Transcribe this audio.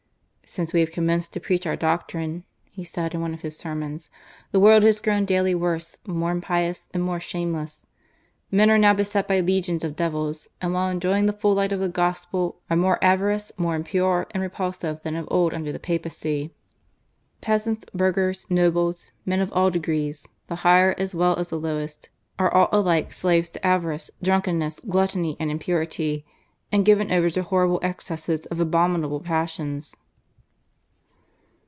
"Since we have commenced to preach our doctrine," he said in one of his sermons, "the world has grown daily worse, more impious, and more shameless. Men are now beset by legions of devils, and while enjoying the full light of the Gospel are more avaricious, more impure, and repulsive than of old under the Papacy. Peasants, burghers, nobles, men of all degrees, the higher as well as the lowest are all alike slaves to avarice, drunkenness, gluttony, and impurity, and given over to horrible excesses of abominable passions."